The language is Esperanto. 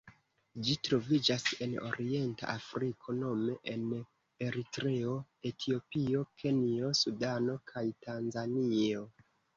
Ĝi troviĝas en Orienta Afriko nome en Eritreo, Etiopio, Kenjo, Sudano kaj Tanzanio.